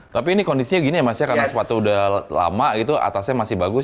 tapi ini kondisinya gini ya mas ya karena sepatu udah lama gitu atasnya masih bagus